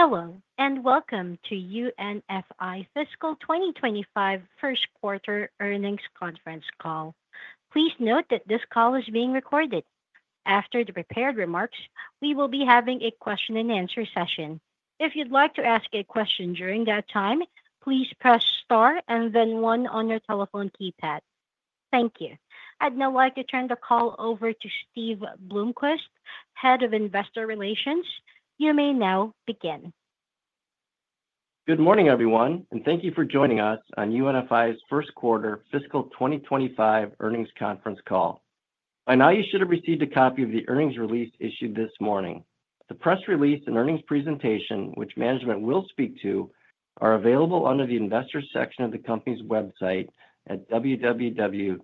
Hello, and welcome to UNFI Fiscal 2025 First Quarter Earnings Conference Call. Please note that this call is being recorded. After the prepared remarks, we will be having a question-and-answer session. If you'd like to ask a question during that time, please press star and then one on your telephone keypad. Thank you. I'd now like to turn the call over to Steve Bloomquist, Head of Investor Relations. You may now begin. Good morning, everyone, and thank you for joining us on UNFI's First Quarter Fiscal 2025 Earnings Conference Call. By now, you should have received a copy of the earnings release issued this morning. The press release and earnings presentation, which management will speak to, are available under the Investor section of the company's website at www.unfi.com.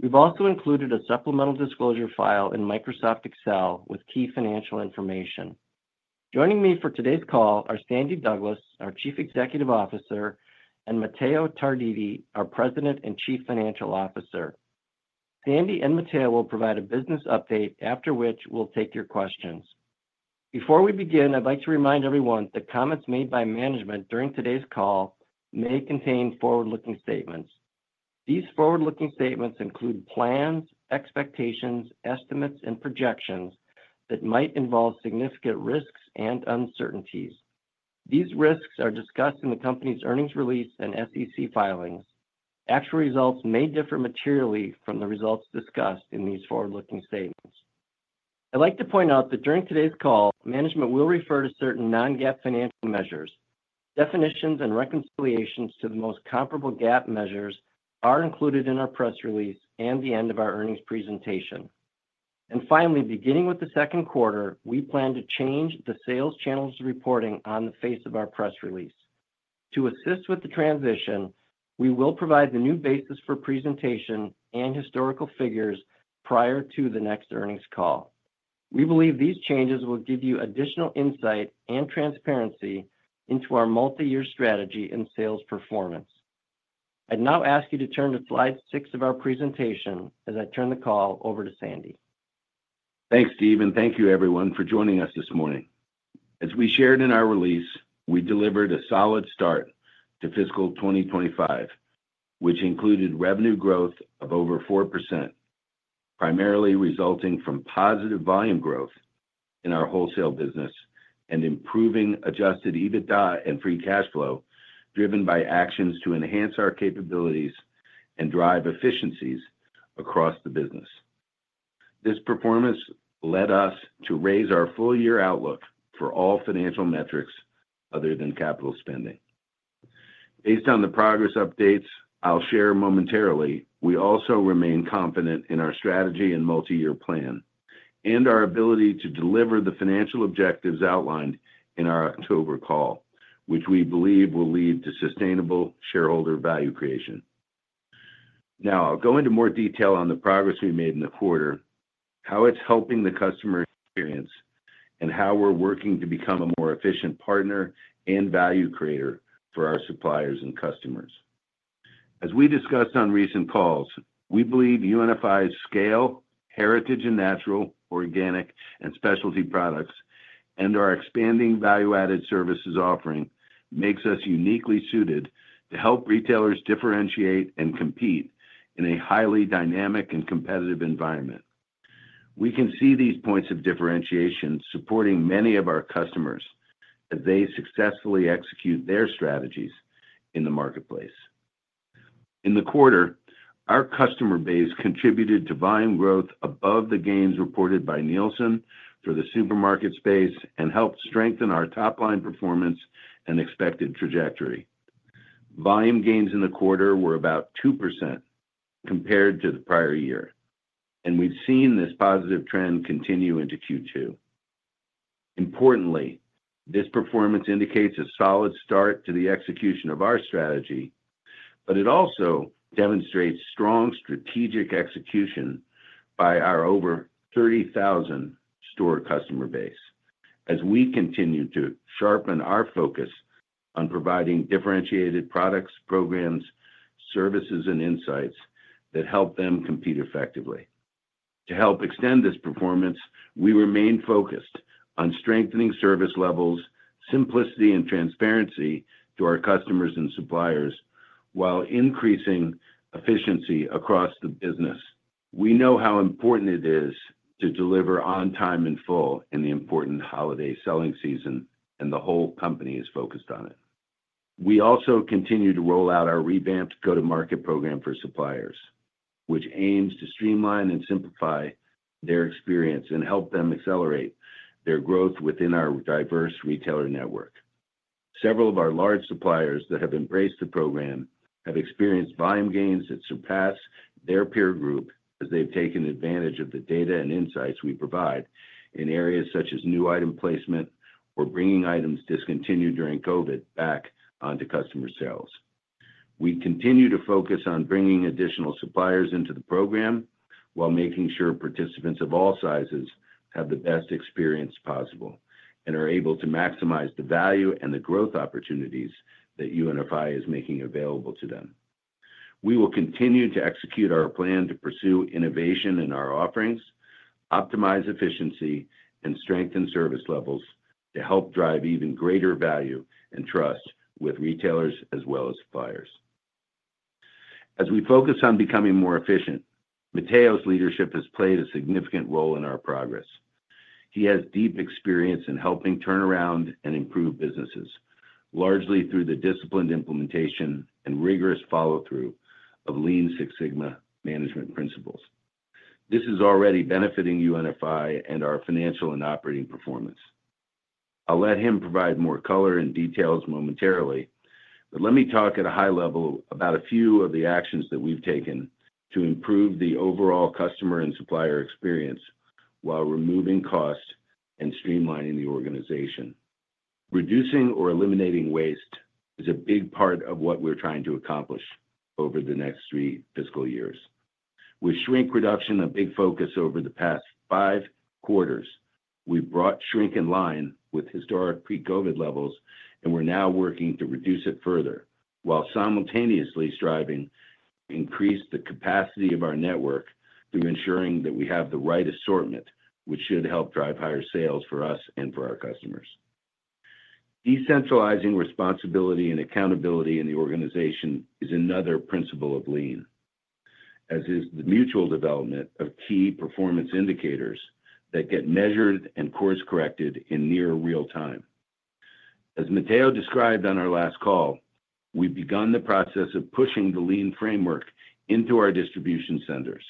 We've also included a supplemental disclosure file in Microsoft Excel with key financial information. Joining me for today's call are Sandy Douglas, our Chief Executive Officer, and Matteo Tarditi, our President and Chief Financial Officer. Sandy and Matteo will provide a business update, after which we'll take your questions. Before we begin, I'd like to remind everyone that comments made by management during today's call may contain forward-looking statements. These forward-looking statements include plans, expectations, estimates, and projections that might involve significant risks and uncertainties. These risks are discussed in the company's earnings release and SEC filings. Actual results may differ materially from the results discussed in these forward-looking statements. I'd like to point out that during today's call, management will refer to certain non-GAAP financial measures. Definitions and reconciliations to the most comparable GAAP measures are included in our press release and the end of our earnings presentation. And finally, beginning with the second quarter, we plan to change the sales channels reporting on the face of our press release. To assist with the transition, we will provide the new basis for presentation and historical figures prior to the next earnings call. We believe these changes will give you additional insight and transparency into our multi-year strategy and sales performance. I'd now ask you to turn to slide six of our presentation as I turn the call over to Sandy. Thanks, Steve, and thank you, everyone, for joining us this morning. As we shared in our release, we delivered a solid start to fiscal 2025, which included revenue growth of over 4%, primarily resulting from positive volume growth in our wholesale business and improving Adjusted EBITDA and Free Cash Flow driven by actions to enhance our capabilities and drive efficiencies across the business. This performance led us to raise our full-year outlook for all financial metrics other than capital spending. Based on the progress updates I'll share momentarily, we also remain confident in our strategy and multi-year plan and our ability to deliver the financial objectives outlined in our October call, which we believe will lead to sustainable shareholder value creation. Now, I'll go into more detail on the progress we made in the quarter, how it's helping the customer experience, and how we're working to become a more efficient partner and value creator for our suppliers and customers. As we discussed on recent calls, we believe UNFI's scale, heritage and natural, organic, and specialty products, and our expanding value-added services offering makes us uniquely suited to help retailers differentiate and compete in a highly dynamic and competitive environment. We can see these points of differentiation supporting many of our customers as they successfully execute their strategies in the marketplace. In the quarter, our customer base contributed to volume growth above the gains reported by Nielsen for the supermarket space and helped strengthen our top-line performance and expected trajectory. Volume gains in the quarter were about 2% compared to the prior year, and we've seen this positive trend continue into Q2. Importantly, this performance indicates a solid start to the execution of our strategy, but it also demonstrates strong strategic execution by our over 30,000 store customer base as we continue to sharpen our focus on providing differentiated products, programs, services, and insights that help them compete effectively. To help extend this performance, we remain focused on strengthening service levels, simplicity, and transparency to our customers and suppliers while increasing efficiency across the business. We know how important it is to deliver on time and full in the important holiday selling season, and the whole company is focused on it. We also continue to roll out our revamped go-to-market program for suppliers, which aims to streamline and simplify their experience and help them accelerate their growth within our diverse retailer network. Several of our large suppliers that have embraced the program have experienced volume gains that surpass their peer group as they've taken advantage of the data and insights we provide in areas such as new item placement or bringing items discontinued during COVID back onto customer sales. We continue to focus on bringing additional suppliers into the program while making sure participants of all sizes have the best experience possible and are able to maximize the value and the growth opportunities that UNFI is making available to them. We will continue to execute our plan to pursue innovation in our offerings, optimize efficiency, and strengthen service levels to help drive even greater value and trust with retailers as well as suppliers. As we focus on becoming more efficient, Matteo's leadership has played a significant role in our progress. He has deep experience in helping turn around and improve businesses, largely through the disciplined implementation and rigorous follow-through of Lean Six Sigma management principles. This is already benefiting UNFI and our financial and operating performance. I'll let him provide more color and details momentarily, but let me talk at a high level about a few of the actions that we've taken to improve the overall customer and supplier experience while removing cost and streamlining the organization. Reducing or eliminating waste is a big part of what we're trying to accomplish over the next three fiscal years. With shrink reduction a big focus over the past five quarters, we've brought shrink in line with historic pre-COVID levels, and we're now working to reduce it further while simultaneously striving to increase the capacity of our network through ensuring that we have the right assortment, which should help drive higher sales for us and for our customers. Decentralizing responsibility and accountability in the organization is another principle of Lean, as is the mutual development of key performance indicators that get measured and course-corrected in near real time. As Matteo described on our last call, we've begun the process of pushing the Lean framework into our distribution centers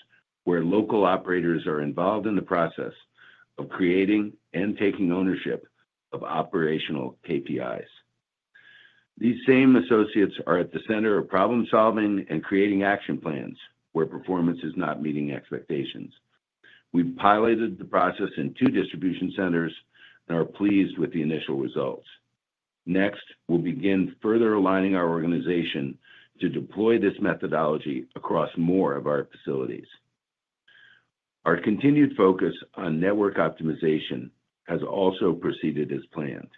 where local operators are involved in the process of creating and taking ownership of operational KPIs. These same associates are at the center of problem-solving and creating action plans where performance is not meeting expectations. We've piloted the process in two distribution centers and are pleased with the initial results. Next, we'll begin further aligning our organization to deploy this methodology across more of our facilities. Our continued focus on network optimization has also proceeded as planned,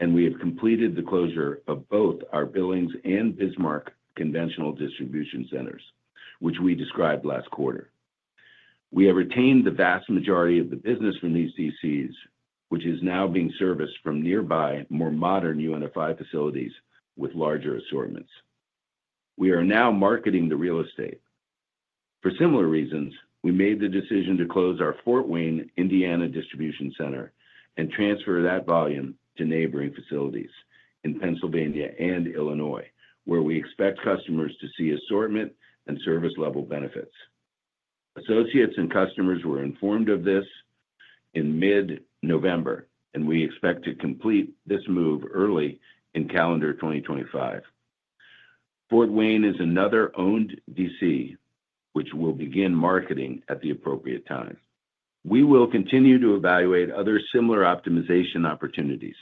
and we have completed the closure of both our Billings and Bismarck conventional distribution centers, which we described last quarter. We have retained the vast majority of the business from these DCs, which is now being serviced from nearby, more modern UNFI facilities with larger assortments. We are now marketing the real estate. For similar reasons, we made the decision to close our Fort Wayne, Indiana distribution center and transfer that volume to neighboring facilities in Pennsylvania and Illinois, where we expect customers to see assortment and service-level benefits. Associates and customers were informed of this in mid-November, and we expect to complete this move early in calendar 2025. Fort Wayne is another owned DC, which we'll begin marketing at the appropriate time. We will continue to evaluate other similar optimization opportunities.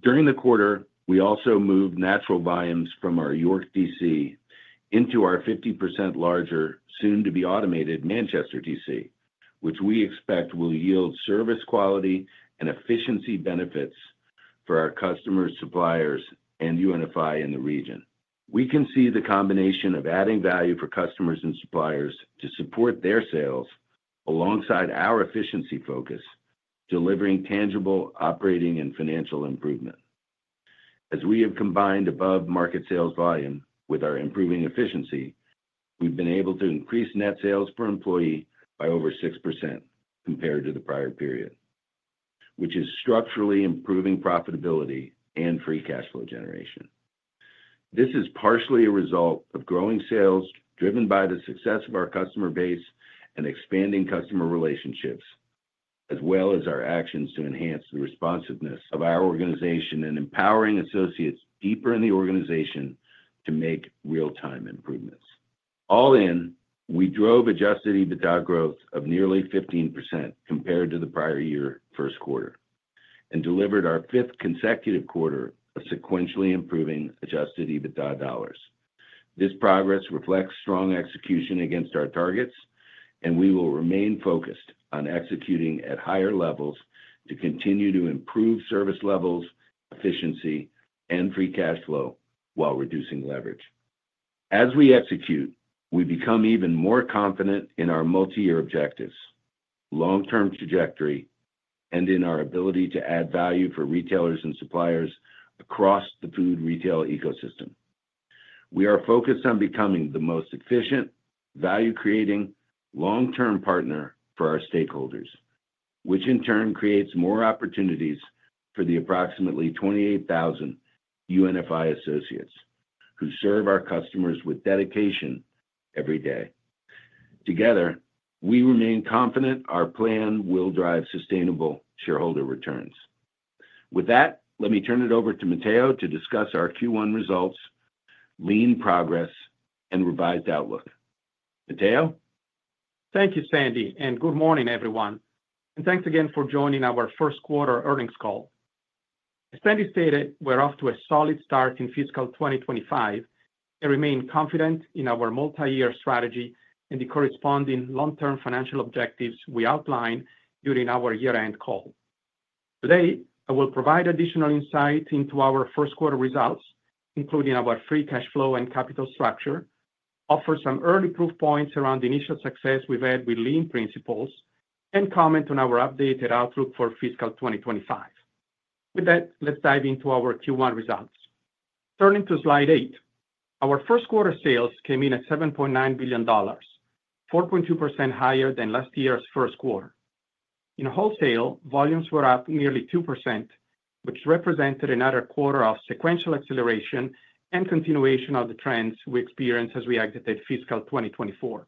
During the quarter, we also moved natural volumes from our York DC into our 50% larger, soon-to-be-automated Manchester DC, which we expect will yield service quality and efficiency benefits for our customers, suppliers, and UNFI in the region. We can see the combination of adding value for customers and suppliers to support their sales alongside our efficiency focus, delivering tangible operating and financial improvement. As we have combined above-market sales volume with our improving efficiency, we've been able to increase net sales per employee by over 6% compared to the prior period, which is structurally improving profitability and free cash flow generation. This is partially a result of growing sales driven by the success of our customer base and expanding customer relationships, as well as our actions to enhance the responsiveness of our organization and empowering associates deeper in the organization to make real-time improvements. All in, we drove Adjusted EBITDA growth of nearly 15% compared to the prior year first quarter and delivered our fifth consecutive quarter of sequentially improving Adjusted EBITDA dollars. This progress reflects strong execution against our targets, and we will remain focused on executing at higher levels to continue to improve service levels, efficiency, and Free Cash Flow while reducing leverage. As we execute, we become even more confident in our multi-year objectives, long-term trajectory, and in our ability to add value for retailers and suppliers across the food retail ecosystem. We are focused on becoming the most efficient, value-creating, long-term partner for our stakeholders, which in turn creates more opportunities for the approximately 28,000 UNFI associates who serve our customers with dedication every day. Together, we remain confident our plan will drive sustainable shareholder returns. With that, let me turn it over to Matteo to discuss our Q1 results, Lean progress, and revised outlook. Matteo? Thank you, Sandy, and good morning, everyone. Thanks again for joining our first quarter earnings call. As Sandy stated, we're off to a solid start in fiscal 2025 and remain confident in our multi-year strategy and the corresponding long-term financial objectives we outlined during our year-end call. Today, I will provide additional insight into our first quarter results, including our free cash flow and capital structure, offer some early proof points around the initial success we've had with Lean principles, and comment on our updated outlook for fiscal 2025. With that, let's dive into our Q1 results. Turning to slide eight, our first quarter sales came in at $7.9 billion, 4.2% higher than last year's first quarter. In wholesale, volumes were up nearly 2%, which represented another quarter of sequential acceleration and continuation of the trends we experienced as we exited fiscal 2024.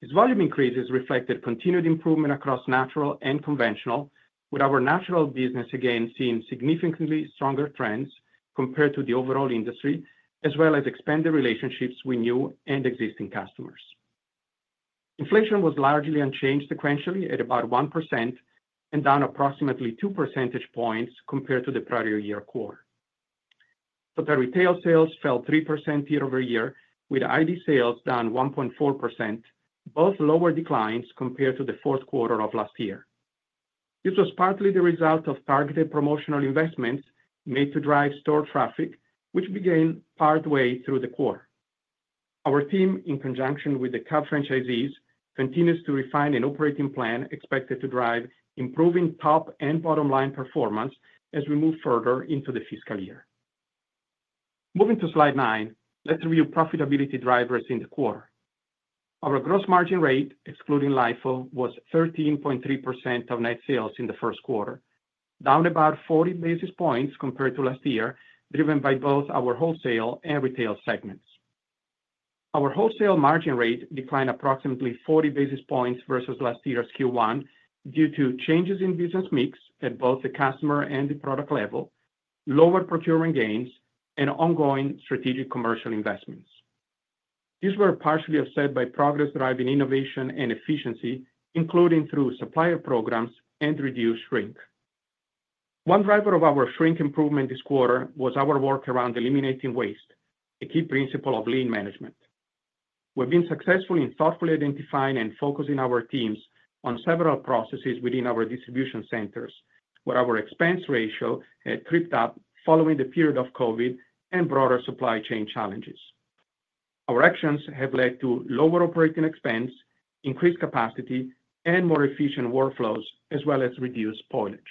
These volume increases reflected continued improvement across natural and conventional, with our natural business again seeing significantly stronger trends compared to the overall industry, as well as expanded relationships with new and existing customers. Inflation was largely unchanged sequentially at about 1% and down approximately 2 percentage points compared to the prior year quarter. Total retail sales fell 3% year over year, with ID sales down 1.4%, both lower declines compared to the fourth quarter of last year. This was partly the result of targeted promotional investments made to drive store traffic, which began partway through the quarter. Our team, in conjunction with the Cub franchisees, continues to refine an operating plan expected to drive improving top and bottom-line performance as we move further into the fiscal year. Moving to slide nine, let's review profitability drivers in the quarter. Our gross margin rate, excluding LIFO, was 13.3% of net sales in the first quarter, down about 40 basis points compared to last year, driven by both our wholesale and retail segments. Our wholesale margin rate declined approximately 40 basis points versus last year's Q1 due to changes in business mix at both the customer and the product level, lower procurement gains, and ongoing strategic commercial investments. These were partially offset by progress-driving innovation and efficiency, including through supplier programs and reduced shrink. One driver of our shrink improvement this quarter was our work around eliminating waste, a key principle of Lean management. We've been successful in thoughtfully identifying and focusing our teams on several processes within our distribution centers, where our expense ratio had tripped up following the period of COVID and broader supply chain challenges. Our actions have led to lower operating expense, increased capacity, and more efficient workflows, as well as reduced spoilage.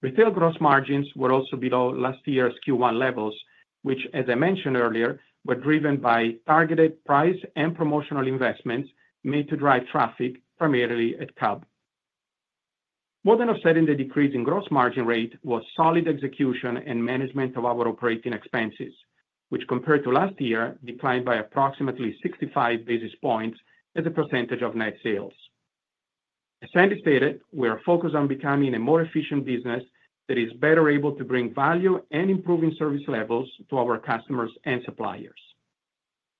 Retail gross margins were also below last year's Q1 levels, which, as I mentioned earlier, were driven by targeted price and promotional investments made to drive traffic primarily at Cub. More than offsetting the decrease in gross margin rate was solid execution and management of our operating expenses, which compared to last year declined by approximately 65 basis points as a percentage of net sales. As Sandy stated, we are focused on becoming a more efficient business that is better able to bring value and improving service levels to our customers and suppliers.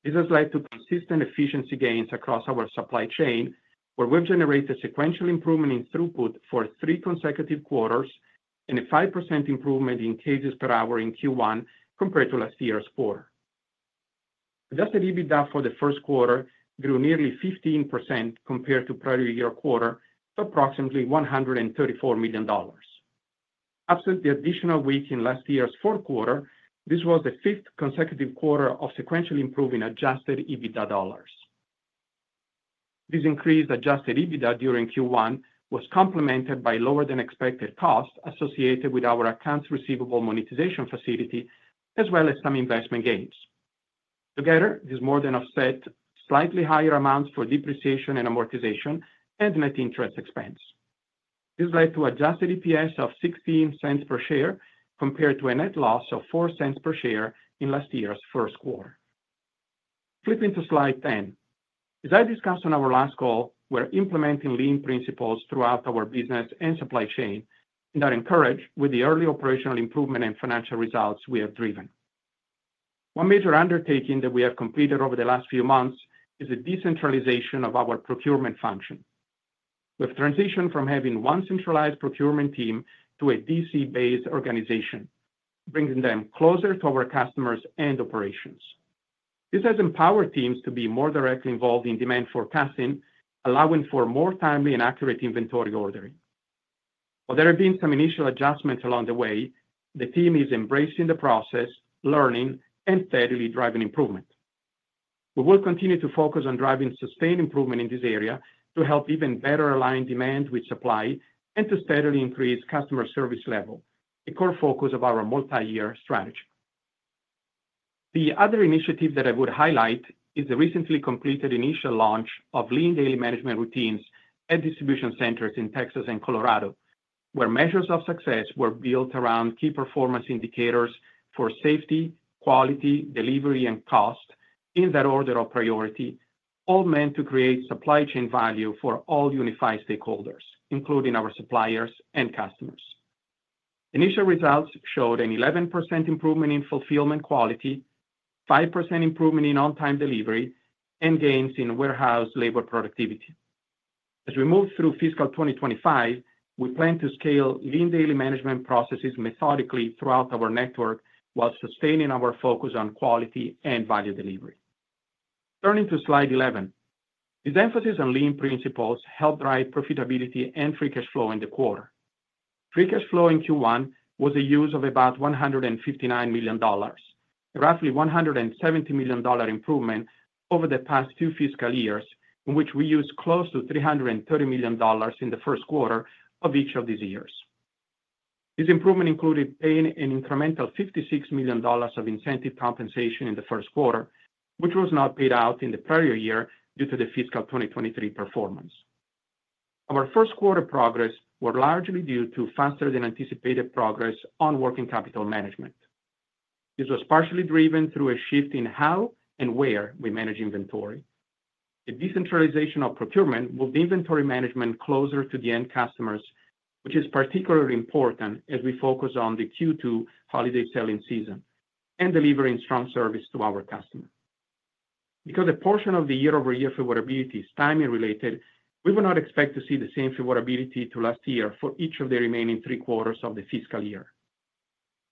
This has led to consistent efficiency gains across our supply chain, where we've generated sequential improvement in throughput for three consecutive quarters and a 5% improvement in cases per hour in Q1 compared to last year's quarter. Adjusted EBITDA for the first quarter grew nearly 15% compared to prior year quarter to approximately $134 million. Absent the additional week in last year's fourth quarter, this was the fifth consecutive quarter of sequentially improving adjusted EBITDA dollars. This increased adjusted EBITDA during Q1 was complemented by lower-than-expected costs associated with our accounts receivable monetization facility, as well as some investment gains. Together, this more than offset slightly higher amounts for depreciation and amortization and net interest expense. This led to adjusted EPS of $0.16 per share compared to a net loss of $0.04 per share in last year's first quarter. Flipping to slide 10, as I discussed on our last call, we're implementing Lean principles throughout our business and supply chain and are encouraged with the early operational improvement and financial results we have driven. One major undertaking that we have completed over the last few months is the decentralization of our procurement function. We've transitioned from having one centralized procurement team to a DC-based organization, bringing them closer to our customers and operations. This has empowered teams to be more directly involved in demand forecasting, allowing for more timely and accurate inventory ordering. While there have been some initial adjustments along the way, the team is embracing the process, learning, and steadily driving improvement. We will continue to focus on driving sustained improvement in this area to help even better align demand with supply and to steadily increase customer service level, a core focus of our multi-year strategy. The other initiative that I would highlight is the recently completed initial launch of Lean daily management routines at distribution centers in Texas and Colorado, where measures of success were built around key performance indicators for safety, quality, delivery, and cost in that order of priority, all meant to create supply chain value for all Unified stakeholders, including our suppliers and customers. Initial results showed an 11% improvement in fulfillment quality, 5% improvement in on-time delivery, and gains in warehouse labor productivity. As we move through fiscal 2025, we plan to scale Lean daily management processes methodically throughout our network while sustaining our focus on quality and value delivery. Turning to slide 11, this emphasis on Lean principles helped drive profitability and free cash flow in the quarter. Free cash flow in Q1 was a use of about $159 million, a roughly $170 million improvement over the past two fiscal years, in which we used close to $330 million in the first quarter of each of these years. This improvement included paying an incremental $56 million of incentive compensation in the first quarter, which was not paid out in the prior year due to the fiscal 2023 performance. Our first quarter progress was largely due to faster-than-anticipated progress on working capital management. This was partially driven through a shift in how and where we manage inventory. The decentralization of procurement moved inventory management closer to the end customers, which is particularly important as we focus on the Q2 holiday selling season and delivering strong service to our customers. Because a portion of the year-over-year favorability is timing-related, we will not expect to see the same favorability to last year for each of the remaining three quarters of the fiscal year.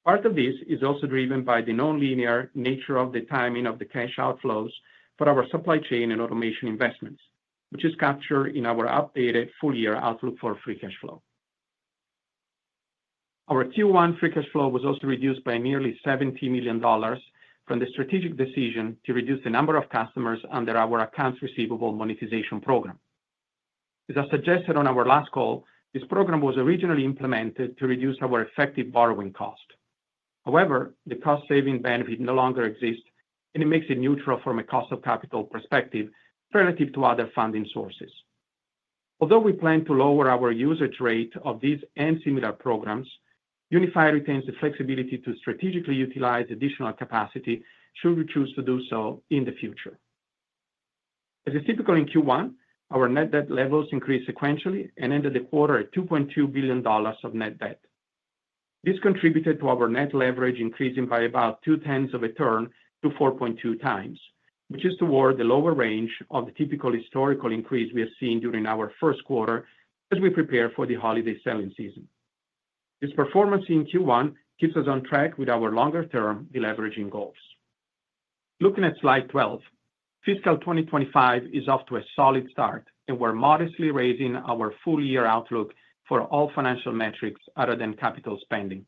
Part of this is also driven by the non-linear nature of the timing of the cash outflows for our supply chain and automation investments, which is captured in our updated full-year outlook for free cash flow. Our Q1 free cash flow was also reduced by nearly $70 million from the strategic decision to reduce the number of customers under our accounts receivable monetization program. As I suggested on our last call, this program was originally implemented to reduce our effective borrowing cost. However, the cost-saving benefit no longer exists, and it makes it neutral from a cost of capital perspective relative to other funding sources. Although we plan to lower our usage rate of these and similar programs, UNFI retains the flexibility to strategically utilize additional capacity should we choose to do so in the future. As is typical in Q1, our net debt levels increased sequentially and ended the quarter at $2.2 billion of net debt. This contributed to our net leverage increasing by about two-tenths of a turn to 4.2 times, which is toward the lower range of the typical historical increase we have seen during our first quarter as we prepare for the holiday selling season. This performance in Q1 keeps us on track with our longer-term deleveraging goals. Looking at Slide 12, fiscal 2025 is off to a solid start and we're modestly raising our full-year outlook for all financial metrics other than capital spending.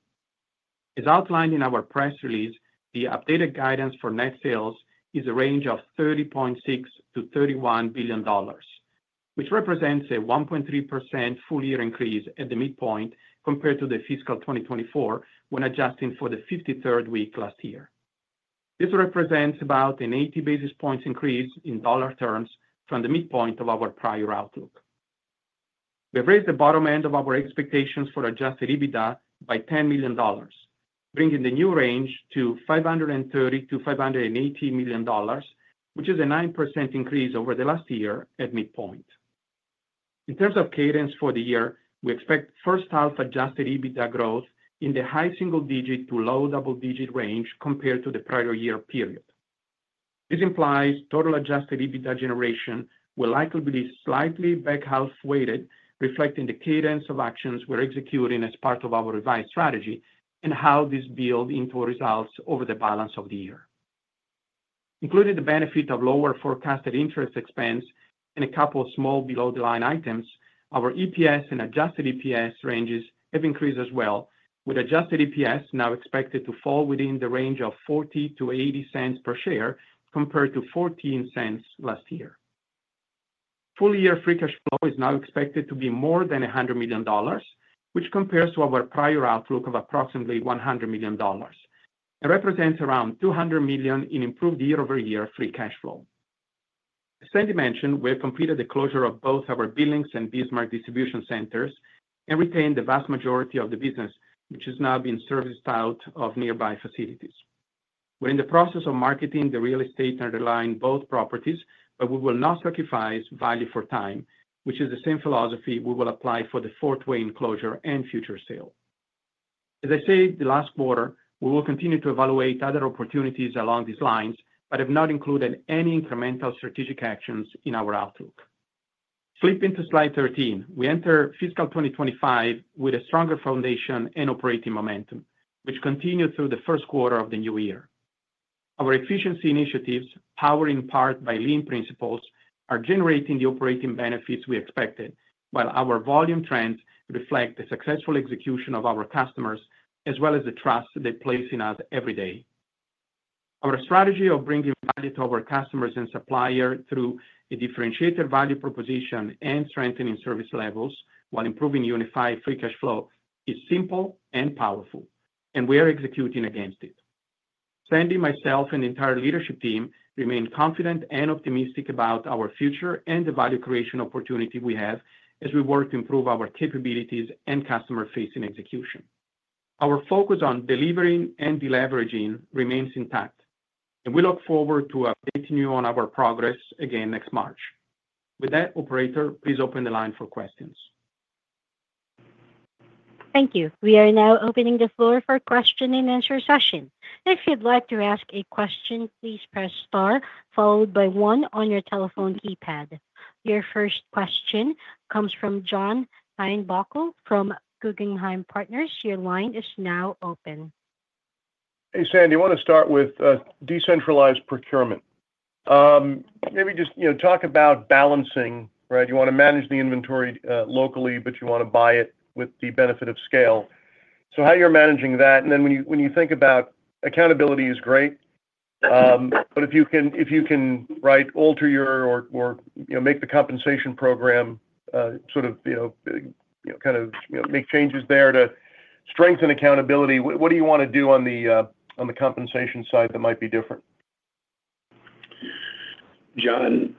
As outlined in our press release, the updated guidance for net sales is a range of $30.6-$31 billion, which represents a 1.3% full-year increase at the midpoint compared to the fiscal 2024 when adjusting for the 53rd week last year. This represents about an 80 basis points increase in dollar terms from the midpoint of our prior outlook. We've raised the bottom end of our expectations for adjusted EBITDA by $10 million, bringing the new range to $530-$580 million, which is a 9% increase over the last year at midpoint. In terms of cadence for the year, we expect first-half adjusted EBITDA growth in the high single-digit to low double-digit range compared to the prior year period. This implies total Adjusted EBITDA generation will likely be slightly back-half weighted, reflecting the cadence of actions we're executing as part of our revised strategy and how this builds into results over the balance of the year. Including the benefit of lower forecasted interest expense and a couple of small below-the-line items, our EPS and Adjusted EPS ranges have increased as well, with Adjusted EPS now expected to fall within the range of $0.40-$0.80 per share compared to $0.14 last year. Full-year Free Cash Flow is now expected to be more than $100 million, which compares to our prior outlook of approximately $100 million and represents around $200 million in improved year-over-year Free Cash Flow. As Sandy mentioned, we have completed the closure of both our Billings and Bismarck distribution centers and retained the vast majority of the business, which has now been serviced out of nearby facilities. We're in the process of marketing the real estate underlying both properties, but we will not sacrifice value for time, which is the same philosophy we will apply for the Fort Wayne closure and future sale. As I said, the last quarter, we will continue to evaluate other opportunities along these lines, but have not included any incremental strategic actions in our outlook. Flipping to slide 13, we enter fiscal 2025 with a stronger foundation and operating momentum, which continued through the first quarter of the new year. Our efficiency initiatives, powered in part by Lean principles, are generating the operating benefits we expected, while our volume trends reflect the successful execution of our customers, as well as the trust they place in us every day. Our strategy of bringing value to our customers and supplier through a differentiated value proposition and strengthening service levels while improving UNFI free cash flow is simple and powerful, and we are executing against it. Sandy, myself, and the entire leadership team remain confident and optimistic about our future and the value creation opportunity we have as we work to improve our capabilities and customer-facing execution. Our focus on delivering and deleveraging remains intact, and we look forward to updating you on our progress again next March. With that, operator, please open the line for questions. Thank you. We are now opening the floor for question-and-answer session. If you'd like to ask a question, please press star followed by one on your telephone keypad. Your first question comes from John Heinbockel from Guggenheim Partners. Your line is now open. Hey, Sandy, I want to start with decentralized procurement. Maybe just talk about balancing, right? You want to manage the inventory locally, but you want to buy it with the benefit of scale. So how you're managing that, and then when you think about accountability is great, but if you can, right, alter your or make the compensation program sort of kind of make changes there to strengthen accountability. What do you want to do on the compensation side that might be different? John,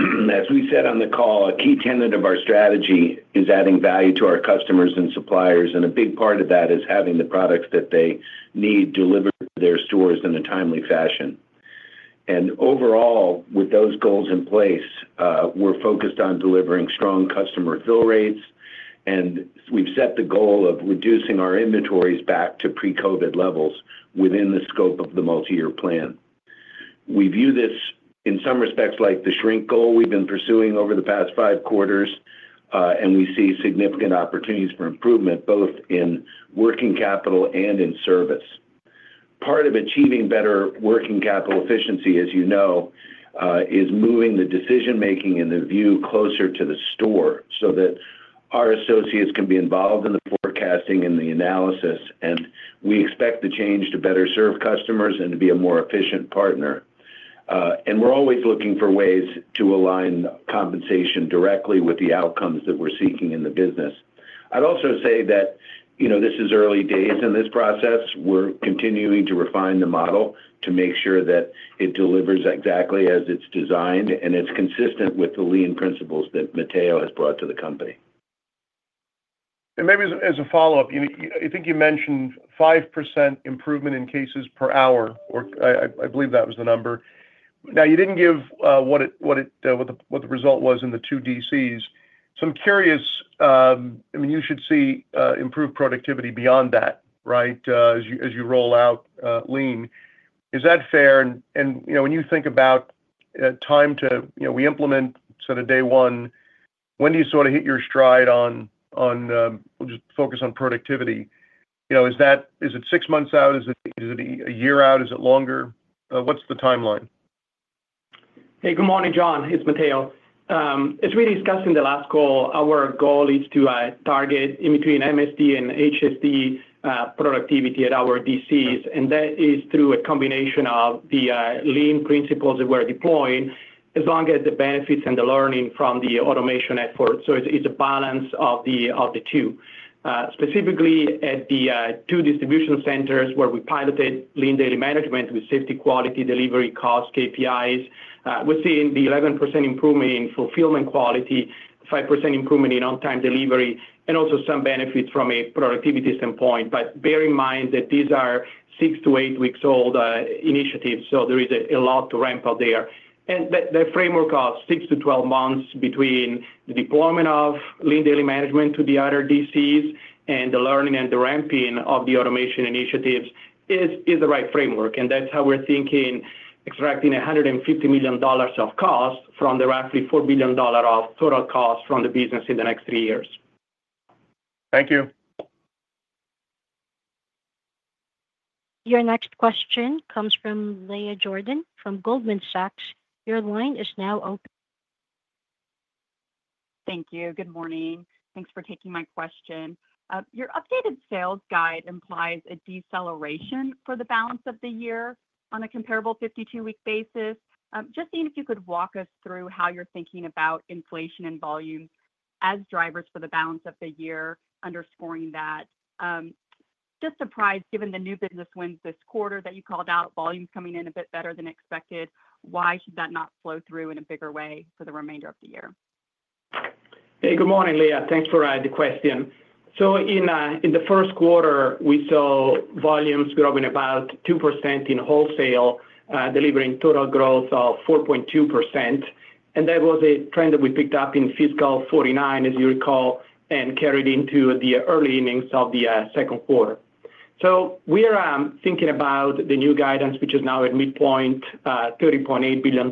as we said on the call, a key tenet of our strategy is adding value to our customers and suppliers, and a big part of that is having the products that they need delivered to their stores in a timely fashion. And overall, with those goals in place, we're focused on delivering strong customer fill rates, and we've set the goal of reducing our inventories back to pre-COVID levels within the scope of the multi-year plan. We view this in some respects like the shrink goal we've been pursuing over the past five quarters, and we see significant opportunities for improvement both in working capital and in service. Part of achieving better working capital efficiency, as you know, is moving the decision-making and the view closer to the store so that our associates can be involved in the forecasting and the analysis, and we expect the change to better serve customers and to be a more efficient partner, and we're always looking for ways to align compensation directly with the outcomes that we're seeking in the business. I'd also say that this is early days in this process. We're continuing to refine the model to make sure that it delivers exactly as it's designed and it's consistent with the Lean principles that Matteo has brought to the company, And maybe as a follow-up, I think you mentioned 5% improvement in cases per hour, or I believe that was the number. Now, you didn't give what the result was in the two DCs. So I'm curious, I mean, you should see improved productivity beyond that, right, as you roll out Lean. Is that fair? And when you think about time to when we implement, so the day one, when do you sort of hit your stride on, we'll just focus on productivity? Is it six months out? Is it a year out? Is it longer? What's the timeline? Hey, good morning, John. It's Matteo. As we discussed in the last call, our goal is to target in between MSD and HSD productivity at our DCs, and that is through a combination of the Lean principles that we're deploying, along with the benefits and the learning from the automation effort. So it's a balance of the two. Specifically, at the two distribution centers where we piloted Lean Daily Management with safety, quality, delivery, cost KPIs, we're seeing the 11% improvement in fulfillment quality, 5% improvement in on-time delivery, and also some benefits from a productivity standpoint, but bear in mind that these are six to eight weeks old initiatives, so there is a lot to ramp up there, and that framework of 6 to 12 months between the deployment of Lean Daily Management to the other DCs and the learning and the ramping of the automation initiatives is the right framework, and that's how we're thinking, extracting $150 million of cost from the roughly $4 billion of total cost from the business in the next three years. Thank you. Your next question comes from Leah Jordan from Goldman Sachs. Your line is now open. Thank you. Good morning. Thanks for taking my question. Your updated sales guide implies a deceleration for the balance of the year on a comparable 52-week basis. Just seeing if you could walk us through how you're thinking about inflation and volumes as drivers for the balance of the year, underscoring that. Just surprised, given the new business wins this quarter that you called out, volumes coming in a bit better than expected. Why should that not flow through in a bigger way for the remainder of the year? Hey, good morning, Leah. Thanks for the question. So in the first quarter, we saw volumes growing about two% in wholesale, delivering total growth of 4.2%, and that was a trend that we picked up in fiscal 49, as you recall, and carried into the early innings of the second quarter. So we are thinking about the new guidance, which is now at midpoint $30.8 billion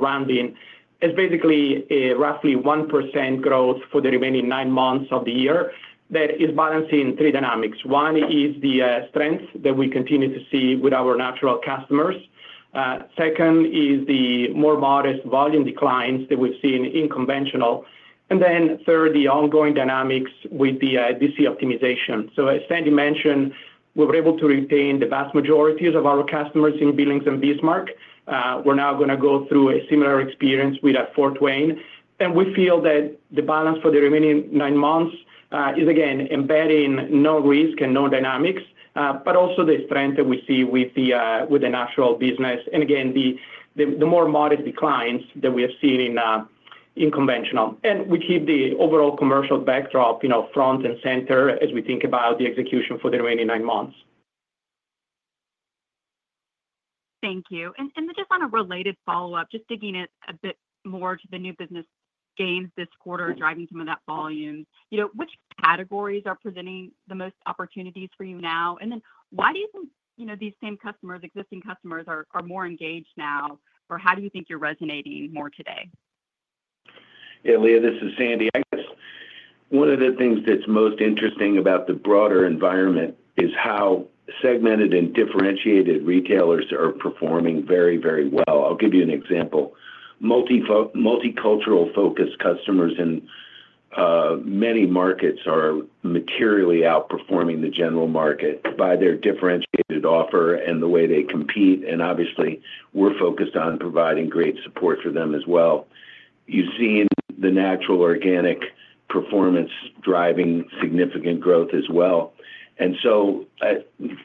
rounding. It is basically roughly 1% growth for the remaining nine months of the year. That is balancing three dynamics. One is the strength that we continue to see with our natural customers. Second is the more modest volume declines that we have seen in conventional. And then third, the ongoing dynamics with the DC optimization. So as Sandy mentioned, we were able to retain the vast majority of our customers in Billings and Bismarck. We are now going to go through a similar experience with a fourth wave. And we feel that the balance for the remaining nine months is, again, embedding no risk and no dynamics, but also the strength that we see with the natural business, and again, the more modest declines that we have seen in conventional. And we keep the overall commercial backdrop front and center as we think about the execution for the remaining nine months. Thank you. And just on a related follow-up, just digging in a bit more to the new business gains this quarter driving some of that volume, which categories are presenting the most opportunities for you now? And then why do you think these same customers, existing customers, are more engaged now, or how do you think you're resonating more today? Yeah, Leah, this is Sandy. I guess one of the things that's most interesting about the broader environment is how segmented and differentiated retailers are performing very, very well. I'll give you an example. Multicultural-focused customers in many markets are materially outperforming the general market by their differentiated offer and the way they compete. And obviously, we're focused on providing great support for them as well. You've seen the natural organic performance driving significant growth as well. And so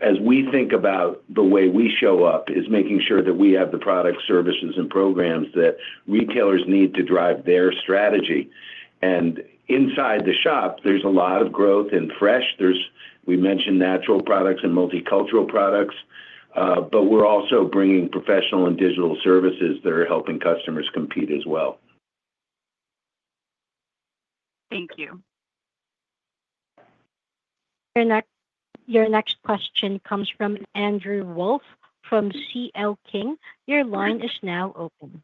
as we think about the way we show up, it's making sure that we have the products, services, and programs that retailers need to drive their strategy. And inside the shop, there's a lot of growth in fresh. We mentioned natural products and multicultural products, but we're also bringing professional and digital services that are helping customers compete as well. Thank you. Your next question comes from Andrew Wolf from CL King. Your line is now open.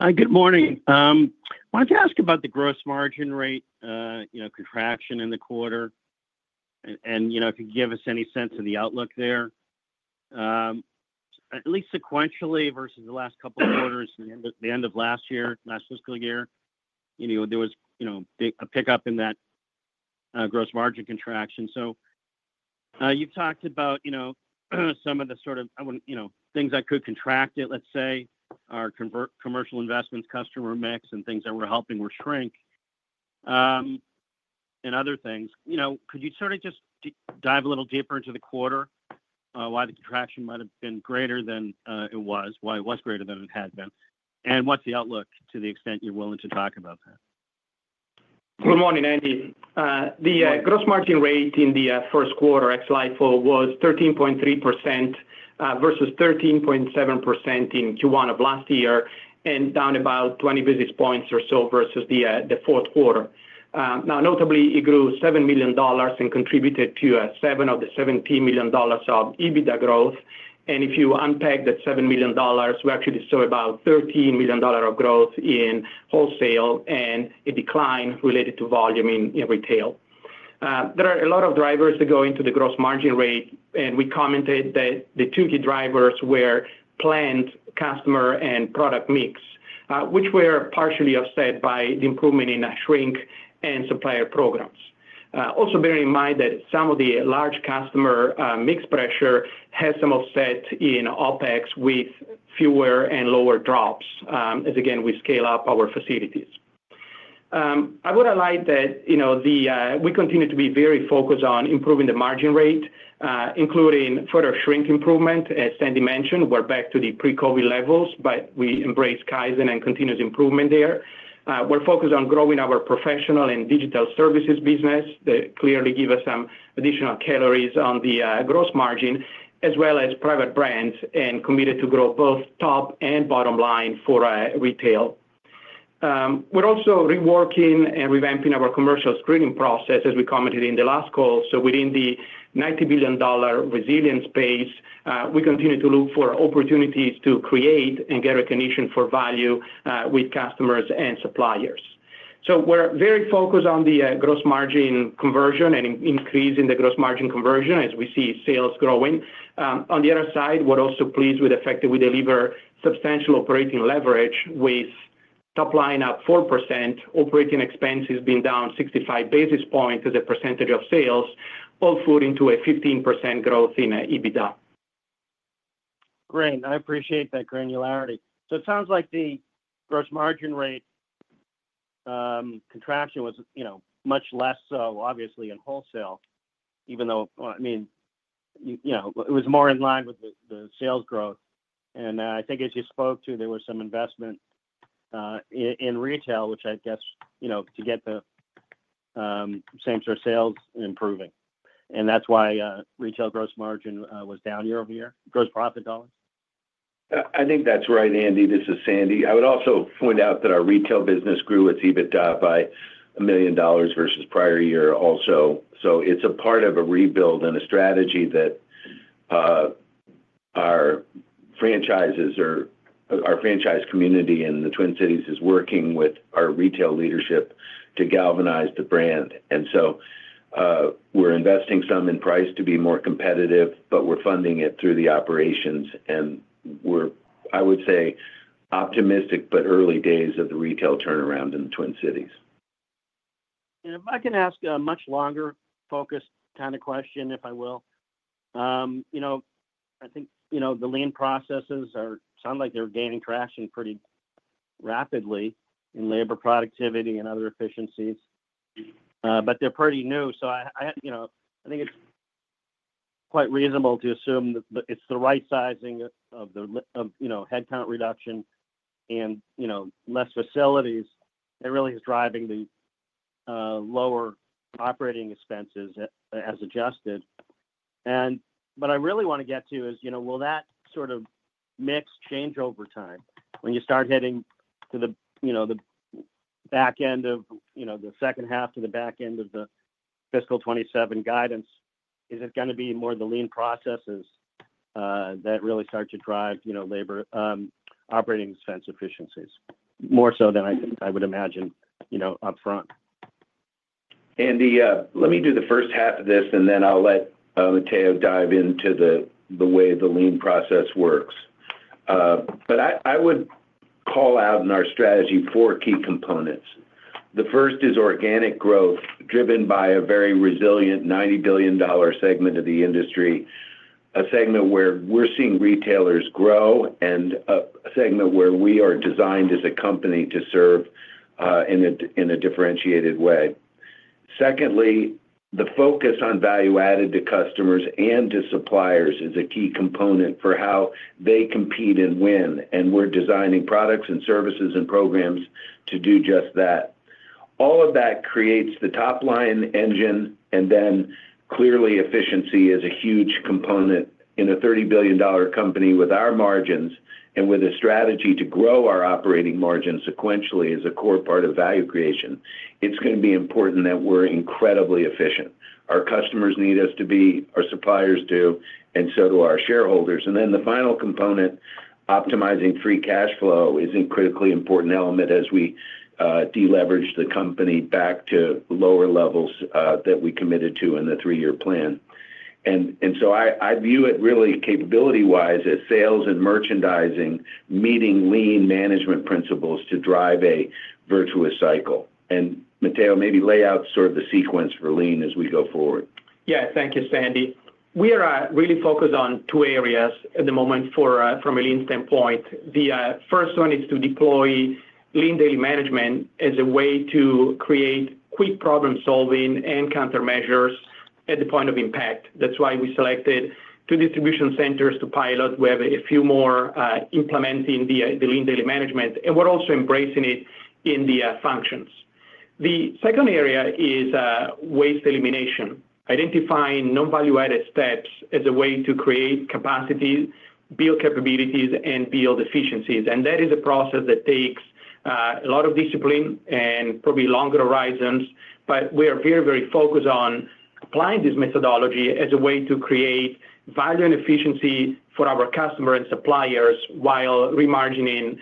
Hi, good morning. I wanted to ask about the gross margin rate contraction in the quarter and if you can give us any sense of the outlook there. At least sequentially versus the last couple of quarters, the end of last year, last fiscal year, there was a pickup in that gross margin contraction. So you've talked about some of the sort of things that could contract it, let's say, our commercial investments, customer mix, and things that we're helping with shrink and other things. Could you sort of just dive a little deeper into the quarter, why the contraction might have been greater than it was, why it was greater than it had been, and what's the outlook to the extent you're willing to talk about that? Good morning, Andy. The gross margin rate in the first quarter, ex-LIFO, was 13.3% versus 13.7% in Q1 of last year and down about 20 basis points or so versus the fourth quarter. Now, notably, it grew $7 million and contributed to seven of the $17 million of EBITDA growth. And if you unpack that $7 million, we actually saw about $13 million of growth in wholesale and a decline related to volume in retail. There are a lot of drivers that go into the gross margin rate, and we commented that the two key drivers were planned customer and product mix, which were partially offset by the improvement in shrink and supplier programs. Also, bearing in mind that some of the large customer mix pressure has some offset in OPEX with fewer and lower drops as, again, we scale up our facilities. I would have liked that we continue to be very focused on improving the margin rate, including further shrink improvement. As Sandy mentioned, we're back to the pre-COVID levels, but we embrace Kaizen and continuous improvement there. We're focused on growing our professional and digital services business that clearly give us some additional calories on the gross margin, as well as private brands and committed to grow both top and bottom line for retail. We're also reworking and revamping our commercial screening process, as we commented in the last call. So within the $90 billion retail space, we continue to look for opportunities to create and get recognition for value with customers and suppliers. So we're very focused on the gross margin conversion and increase in the gross margin conversion as we see sales growing. On the other side, we're also pleased with the fact that we deliver substantial operating leverage with top line at 4%, operating expenses being down 65 basis points as a percentage of sales, all told into a 15% growth in EBITDA. Great. I appreciate that granularity. So it sounds like the gross margin rate contraction was much less so, obviously, in wholesale, even though, I mean, it was more in line with the sales growth. I think as you spoke to, there was some investment in retail, which I guess to get the same sort of sales improving. That's why retail gross margin was down year over year, gross profit dollars. I think that's right, Andy. This is Sandy. I would also point out that our retail business grew its EBITDA by $1 million versus prior year also. It's a part of a rebuild and a strategy that our franchises or our franchise community in the Twin Cities is working with our retail leadership to galvanize the brand. So we're investing some in price to be more competitive, but we're funding it through the operations. We're, I would say, optimistic but early days of the retail turnaround in the Twin Cities. If I can ask a much longer focused kind of question, if I will. I think the Lean processes sound like they're gaining traction pretty rapidly in labor productivity and other efficiencies, but they're pretty new. So I think it's quite reasonable to assume that it's the right sizing of headcount reduction and less facilities that really is driving the lower operating expenses as adjusted. And what I really want to get to is, will that sort of mix change over time when you start heading to the back end of the second half to the back end of the fiscal 2027 guidance? Is it going to be more the Lean processes that really start to drive labor operating expense efficiencies more so than I would imagine upfront? Andy, let me do the first half of this, and then I'll let Matteo dive into the way the Lean process works. I would call out in our strategy four key components. The first is organic growth driven by a very resilient $90 billion segment of the industry, a segment where we're seeing retailers grow, and a segment where we are designed as a company to serve in a differentiated way. Secondly, the focus on value added to customers and to suppliers is a key component for how they compete and win. And we're designing products and services and programs to do just that. All of that creates the top line engine, and then clearly, efficiency is a huge component in a $30 billion company with our margins and with a strategy to grow our operating margin sequentially as a core part of value creation. It's going to be important that we're incredibly efficient. Our customers need us to be, our suppliers do, and so do our shareholders. Then the final component, optimizing free cash flow, is a critically important element as we deleverage the company back to lower levels that we committed to in the three-year plan. So I view it really capability-wise as sales and merchandising meeting Lean management principles to drive a virtuous cycle. Matteo, maybe lay out sort of the sequence for Lean as we go forward. Yeah, thank you, Sandy. We are really focused on two areas at the moment from a Lean standpoint. The first one is to deploy Lean daily management as a way to create quick problem-solving and countermeasures at the point of impact. That's why we selected two distribution centers to pilot. We have a few more implementing the Lean daily management, and we're also embracing it in the functions. The second area is waste elimination, identifying non-value-added steps as a way to create capacity, build capabilities, and build efficiencies, and that is a process that takes a lot of discipline and probably longer horizons, but we are very, very focused on applying this methodology as a way to create value and efficiency for our customers and suppliers while remargining,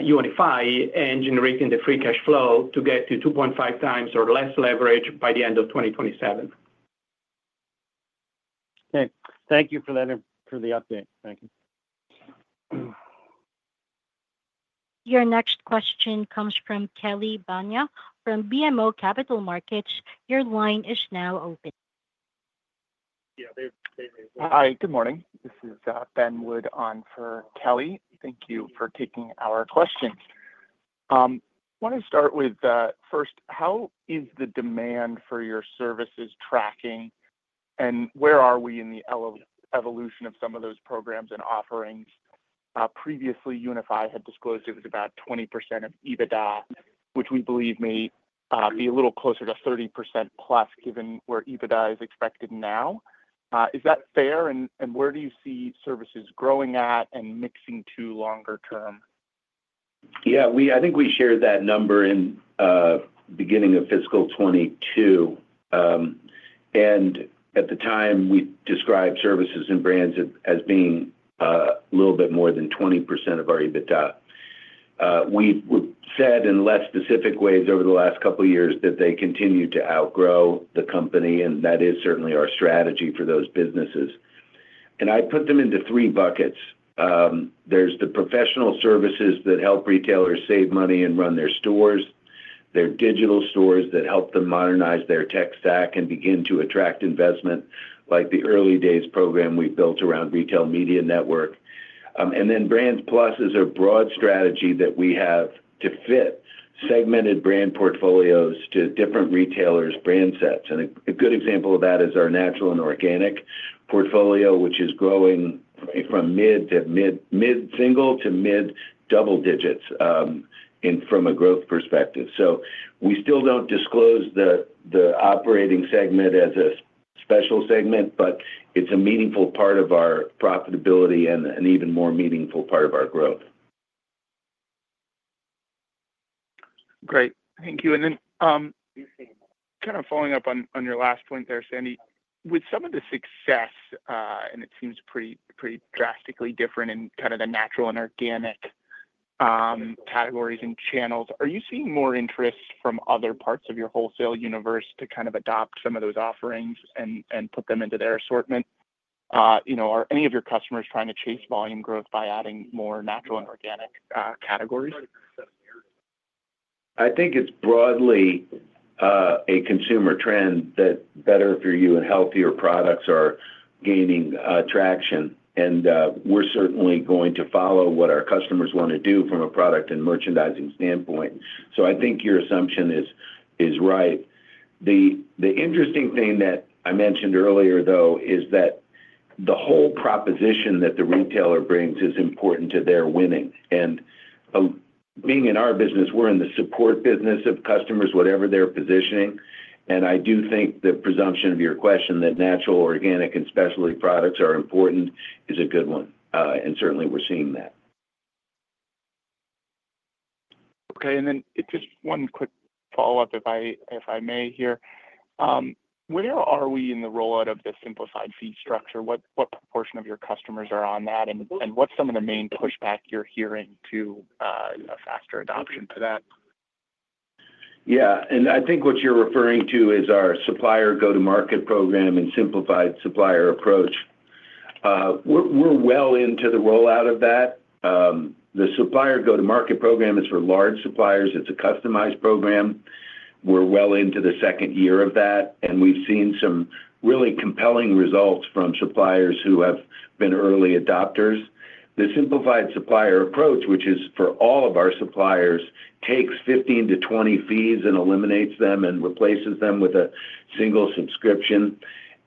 unifying, and generating the free cash flow to get to 2.5 times or less leverage by the end of 2027. Okay. Thank you for the update. Thank you. Your next question comes from Kelly Bania from BMO Capital Markets. Your line is now open. Yeah, they're there. Hi, good morning. This is Ben Wood on for Kelly. Thank you for taking our questions. I want to start with first, how is the demand for your services tracking, and where are we in the evolution of some of those programs and offerings? Previously, UNFI had disclosed it was about 20% of EBITDA, which we believe may be a little closer to 30% plus given where EBITDA is expected now. Is that fair, and where do you see services growing at and mixing to longer term? Yeah, I think we shared that number in the beginning of fiscal 2022, and at the time, we described services and brands as being a little bit more than 20% of our EBITDA. We've said in less specific ways over the last couple of years that they continue to outgrow the company, and that is certainly our strategy for those businesses, and I put them into three buckets. There's the professional services that help retailers save money and run their stores, their digital stores that help them modernize their tech stack and begin to attract investment, like the early days program we built around retail media network, and then Brands+ is a broad strategy that we have to fit segmented brand portfolios to different retailers' brand sets, and a good example of that is our natural and organic portfolio, which is growing from mid to mid single to mid double digits from a growth perspective, so we still don't disclose the operating segment as a special segment, but it's a meaningful part of our profitability and an even more meaningful part of our growth. Great. Thank you. And then kind of following up on your last point there, Sandy, with some of the success, and it seems pretty drastically different in kind of the natural and organic categories and channels, are you seeing more interest from other parts of your wholesale universe to kind of adopt some of those offerings and put them into their assortment? Are any of your customers trying to chase volume growth by adding more natural and organic categories? I think it's broadly a consumer trend that better for you and healthier products are gaining traction. And we're certainly going to follow what our customers want to do from a product and merchandising standpoint. So I think your assumption is right. The interesting thing that I mentioned earlier, though, is that the whole proposition that the retailer brings is important to their winning. And being in our business, we're in the support business of customers, whatever they're positioning. And I do think the presumption of your question that natural, organic, and specialty products are important is a good one. And certainly, we're seeing that. Okay. And then just one quick follow-up, if I may here. Where are we in the rollout of the simplified fee structure? What proportion of your customers are on that? And what's some of the main pushback you're hearing to a faster adoption for that? Yeah. And I think what you're referring to is our supplier go-to-market program and simplified supplier approach. We're well into the rollout of that. The supplier go-to-market program is for large suppliers. It's a customized program. We're well into the second year of that, and we've seen some really compelling results from suppliers who have been early adopters. The Simplified Supplier Approach, which is for all of our suppliers, takes 15-20 fees and eliminates them and replaces them with a single subscription.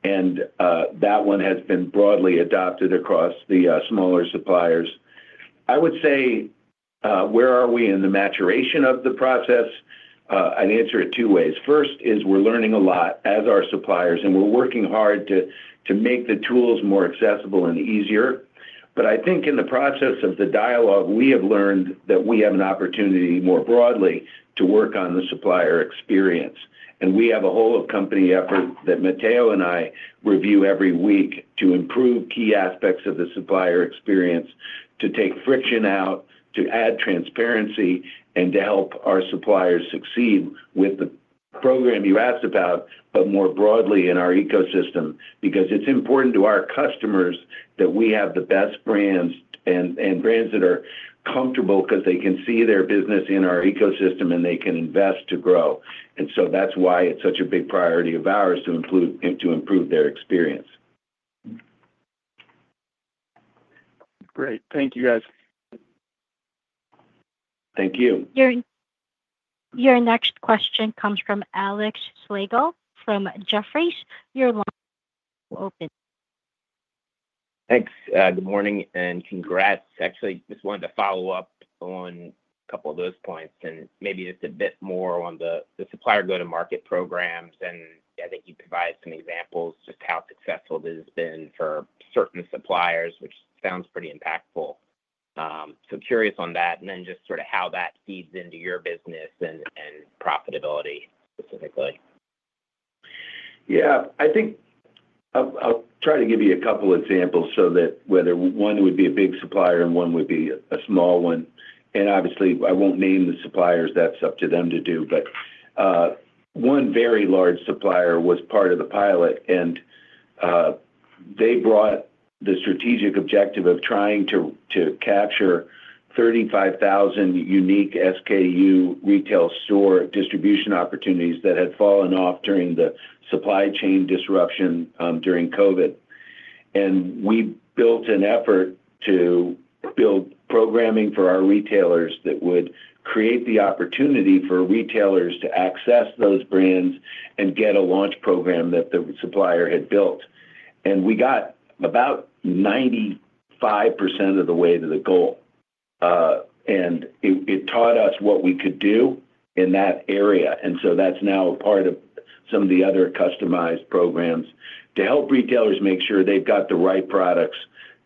And that one has been broadly adopted across the smaller suppliers. I would say, where are we in the maturation of the process? I'd answer it two ways. First is we're learning a lot as our suppliers, and we're working hard to make the tools more accessible and easier. But I think in the process of the dialogue, we have learned that we have an opportunity more broadly to work on the supplier experience. And we have a whole-of-company effort that Matteo and I review every week to improve key aspects of the supplier experience, to take friction out, to add transparency, and to help our suppliers succeed with the program you asked about, but more broadly in our ecosystem, because it's important to our customers that we have the best brands and brands that are comfortable because they can see their business in our ecosystem and they can invest to grow. And so that's why it's such a big priority of ours to improve their experience. Great. Thank you, guys. Thank you. Your next question comes from Alex Slagle from Jefferies. Your line is open. Thanks. Good morning and congrats. Actually, just wanted to follow up on a couple of those points and maybe just a bit more on the supplier go-to-market programs. And I think you provided some examples just how successful it has been for certain suppliers, which sounds pretty impactful. So curious on that. And then just sort of how that feeds into your business and profitability specifically. Yeah. I think I'll try to give you a couple of examples so that whether one would be a big supplier and one would be a small one. And obviously, I won't name the suppliers. That's up to them to do. But one very large supplier was part of the pilot, and they brought the strategic objective of trying to capture 35,000 unique SKU retail store distribution opportunities that had fallen off during the supply chain disruption during COVID. And we built an effort to build programming for our retailers that would create the opportunity for retailers to access those brands and get a launch program that the supplier had built. And we got about 95% of the way to the goal. And it taught us what we could do in that area. And so that's now a part of some of the other customized programs to help retailers make sure they've got the right products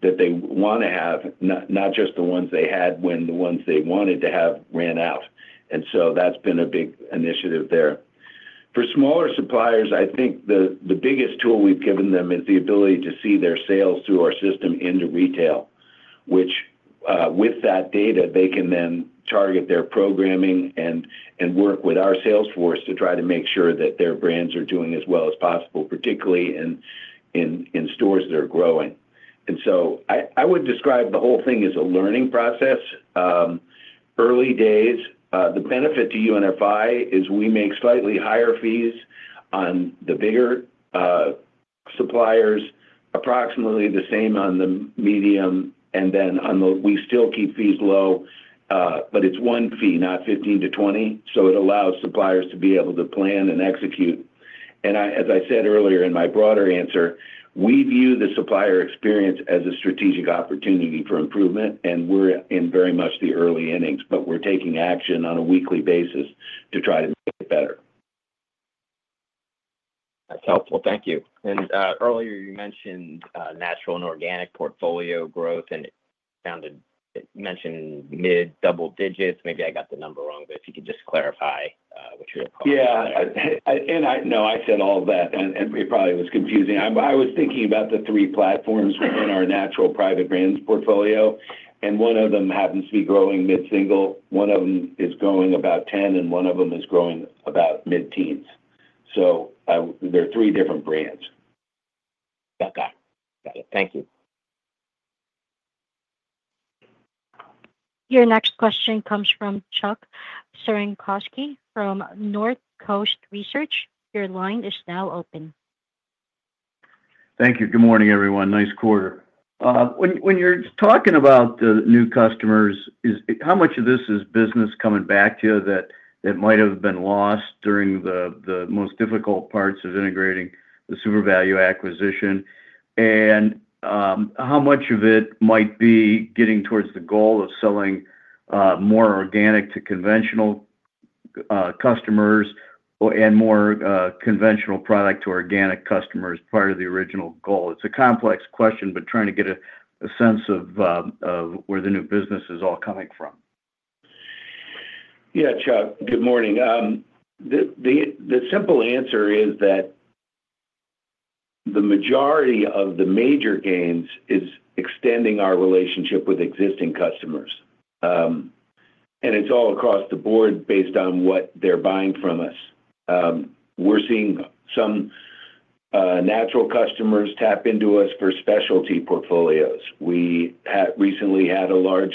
that they want to have, not just the ones they had when the ones they wanted to have ran out. And so that's been a big initiative there. For smaller suppliers, I think the biggest tool we've given them is the ability to see their sales through our system into retail, which with that data, they can then target their programming and work with our salesforce to try to make sure that their brands are doing as well as possible, particularly in stores that are growing. And so I would describe the whole thing as a learning process. Early days, the benefit to UNFI is we make slightly higher fees on the bigger suppliers, approximately the same on the medium, and then we still keep fees low, but it's one fee, not 15-20. So it allows suppliers to be able to plan and execute. And as I said earlier in my broader answer, we view the supplier experience as a strategic opportunity for improvement, and we're in very much the early innings, but we're taking action on a weekly basis to try to make it better. That's helpful. Thank you. And earlier, you mentioned natural and organic portfolio growth, and you mentioned mid double digits. Maybe I got the number wrong, but if you could just clarify what you're talking about. Yeah. And no, I said all of that, and it probably was confusing. I was thinking about the three platforms within our natural private brands portfolio, and one of them happens to be growing mid single. One of them is growing about 10, and one of them is growing about mid teens. So there are three different brands. Got it. Got it. Thank you. Your next question comes from Chuck Cerankosky from North Coast Research. Your line is now open. Thank you. Good morning, everyone. Nice quarter. When you're talking about the new customers, how much of this is business coming back to you that might have been lost during the most difficult parts of integrating the Supervalu acquisition? And how much of it might be getting towards the goal of selling more organic to conventional customers and more conventional product to organic customers part of the original goal? It's a complex question, but trying to get a sense of where the new business is all coming from. Yeah, Chuck. Good morning. The simple answer is that the majority of the major gains is extending our relationship with existing customers. And it's all across the board based on what they're buying from us. We're seeing some natural customers tap into us for specialty portfolios. We recently had a large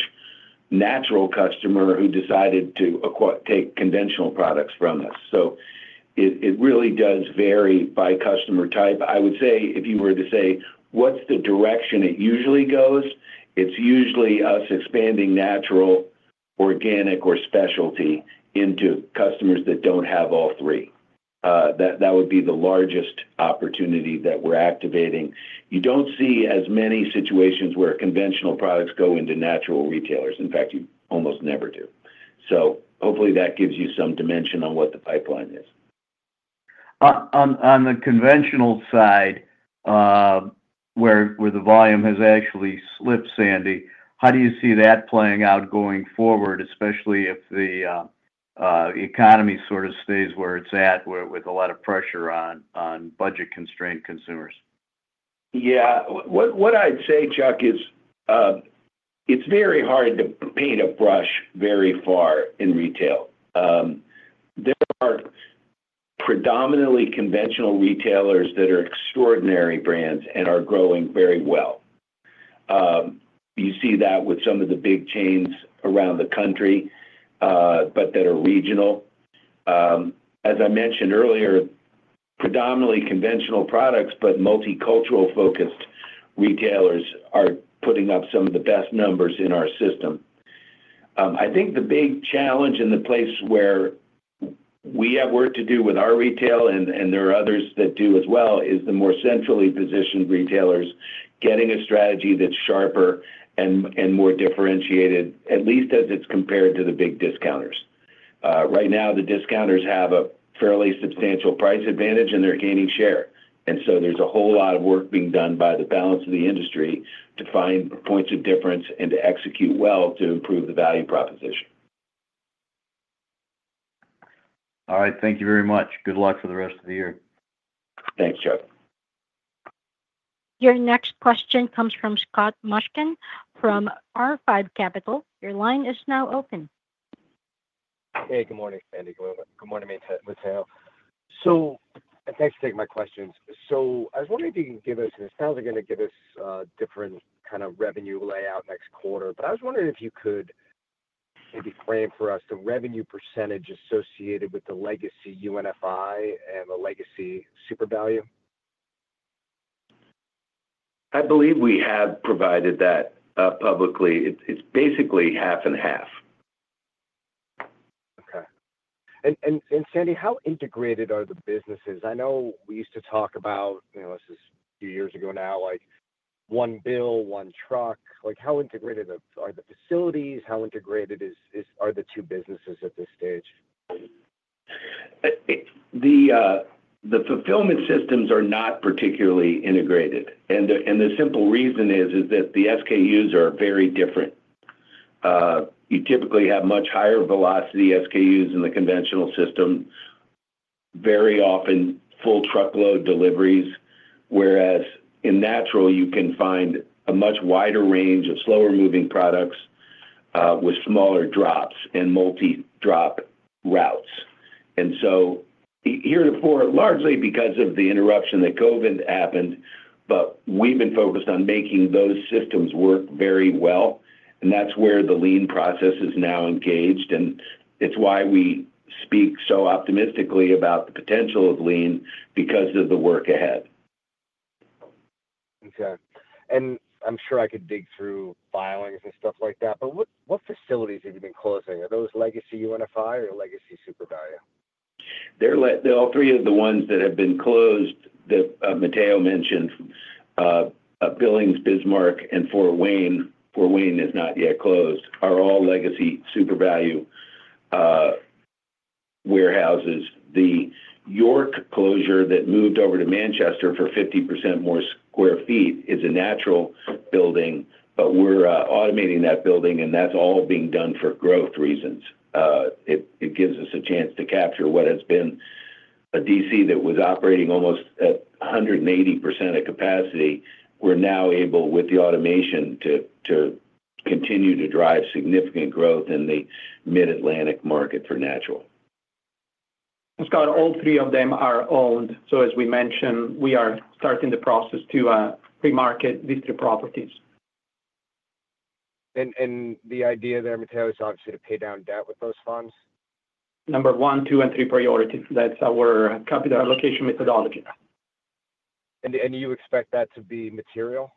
natural customer who decided to take conventional products from us. So it really does vary by customer type. I would say if you were to say, "What's the direction it usually goes?" It's usually us expanding natural, organic, or specialty into customers that don't have all three. That would be the largest opportunity that we're activating. You don't see as many situations where conventional products go into natural retailers. In fact, you almost never do. So hopefully that gives you some dimension on what the pipeline is. On the conventional side, where the volume has actually slipped, Sandy, how do you see that playing out going forward, especially if the economy sort of stays where it's at with a lot of pressure on budget-constrained consumers? Yeah. What I'd say, Chuck, is it's very hard to paint with a broad brush very far in retail. There are predominantly conventional retailers that are extraordinary brands and are growing very well. You see that with some of the big chains around the country, but that are regional. As I mentioned earlier, predominantly conventional products, but multicultural-focused retailers are putting up some of the best numbers in our system. I think the big challenge in the place where we have work to do with our retail, and there are others that do as well, is the more centrally positioned retailers getting a strategy that's sharper and more differentiated, at least as it's compared to the big discounters. Right now, the discounters have a fairly substantial price advantage, and they're gaining share. And so there's a whole lot of work being done by the balance of the industry to find points of difference and to execute well to improve the value proposition. All right. Thank you very much. Good luck for the rest of the year. Thanks, Chuck. Your next question comes from Scott Mushkin from R5 Capital. Your line is now open. Hey, good morning, Sandy. Good morning, Matteo. So thanks for taking my questions. So I was wondering if you can give us, and it sounds like you're going to give us a different kind of revenue layout next quarter. But I was wondering if you could maybe frame for us the revenue percentage associated with the legacy UNFI and the legacy SUPERVALU. I believe we have provided that publicly. It's basically half and half. Okay. And Sandy, how integrated are the businesses? I know we used to talk about, this is a few years ago now, one bill, one truck. How integrated are the facilities? How integrated are the two businesses at this stage? The fulfillment systems are not particularly integrated. And the simple reason is that the SKUs are very different. You typically have much higher velocity SKUs in the conventional system, very often full truckload deliveries, whereas in natural, you can find a much wider range of slower-moving products with smaller drops and multi-drop routes. And so here, too, but largely because of the interruption that COVID happened, but we've been focused on making those systems work very well. And that's where the lean process is now engaged. And it's why we speak so optimistically about the potential of lean because of the work ahead. Okay. And I'm sure I could dig through filings and stuff like that. But what facilities have you been closing? Are those legacy UNFI or legacy Supervalu? All three of the ones that have been closed that Matteo mentioned, Billings, Bismarck, and Fort Wayne, Fort Wayne is not yet closed, are all legacy Supervalu warehouses. The York closure that moved over to Manchester for 50% more sq ft is a natural building, but we're automating that building, and that's all being done for growth reasons. It gives us a chance to capture what has been a DC that was operating almost at 180% of capacity. We're now able, with the automation, to continue to drive significant growth in the Mid-Atlantic market for natural. Scott, all three of them are owned. So as we mentioned, we are starting the process to pre-market these three properties. And the idea there, Matteo, is obviously to pay down debt with those funds? Number one, two, and three priorities. That's our capital allocation methodology. And you expect that to be material?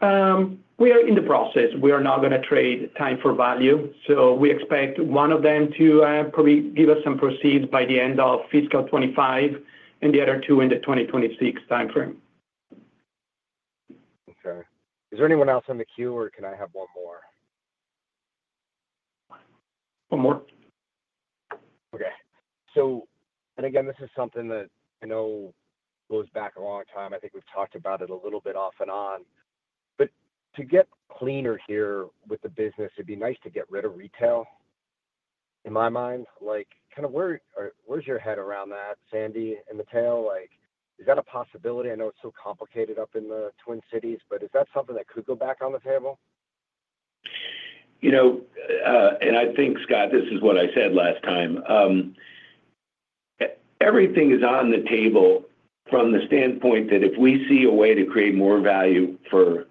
We are in the process. We are not going to trade time for value. So we expect one of them to probably give us some proceeds by the end of fiscal 2025, and the other two in the 2026 timeframe. Okay. Is there anyone else on the queue, or can I have one more? One more. Okay. So, and again, this is something that I know goes back a long time. I think we've talked about it a little bit off and on. But to get cleaner here with the business, it'd be nice to get rid of retail, in my mind. Kind of where's your head around that, Sandy and Matteo? Is that a possibility? I know it's so complicated up in the Twin Cities, but is that something that could go back on the table? And I think, Scott, this is what I said last time. Everything is on the table from the standpoint that if we see a way to create more value for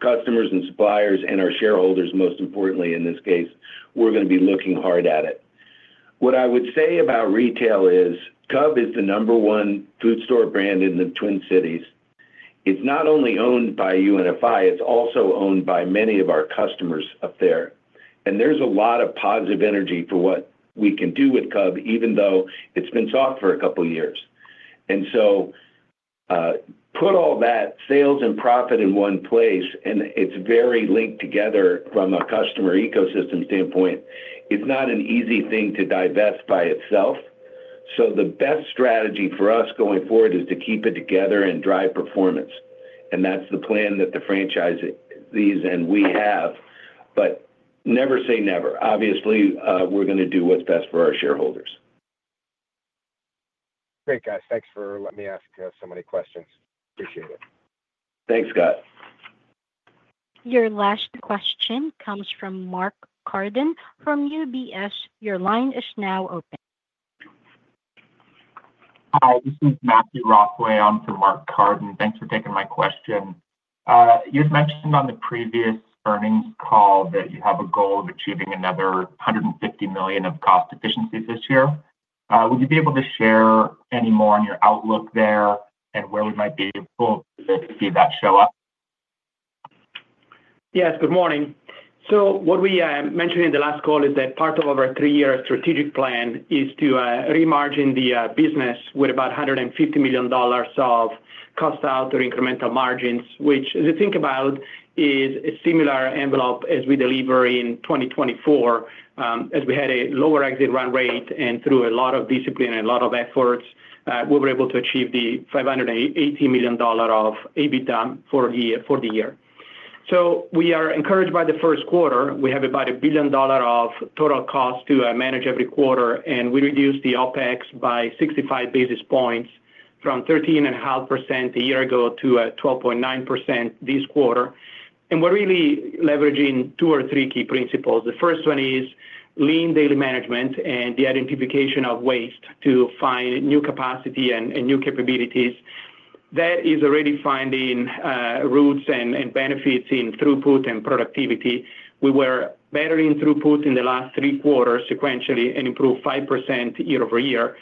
customers and suppliers and our shareholders, most importantly in this case, we're going to be looking hard at it. What I would say about retail is Cub is the number one food store brand in the Twin Cities. It's not only owned by UNFI, it's also owned by many of our customers up there. And there's a lot of positive energy for what we can do with Cub, even though it's been soft for a couple of years. And so put all that sales and profit in one place, and it's very linked together from a customer ecosystem standpoint. It's not an easy thing to divest by itself. So the best strategy for us going forward is to keep it together and drive performance. And that's the plan that the franchisees and we have, but never say never. Obviously, we're going to do what's best for our shareholders. Great, guys. Thanks for letting me ask so many questions. Appreciate it. Thanks, Scott. Your last question comes from Mark Carden from UBS. Your line is now open. Hi, this is Matthew Roswell from Mark Carden. Thanks for taking my question. You had mentioned on the previous earnings call that you have a goal of achieving another $150 million of cost efficiencies this year. Would you be able to share any more on your outlook there and where we might be able to see that show up? Yes. Good morning. So what we mentioned in the last call is that part of our three-year strategic plan is to re-margin the business with about $150 million of cost out or incremental margins, which, as you think about, is a similar envelope as we deliver in 2024, as we had a lower exit run rate and through a lot of discipline and a lot of efforts, we were able to achieve the $580 million of EBITDA for the year. So we are encouraged by the first quarter. We have about $1 billion of total cost to manage every quarter, and we reduced the OpEx by 65 basis points from 13.5% a year ago to 12.9% this quarter. And we're really leveraging two or three key principles. The first one is lean daily management and the identification of waste to find new capacity and new capabilities. That is already finding roots and benefits in throughput and productivity. We were better in throughput in the last three quarters sequentially and improved 5% year over year,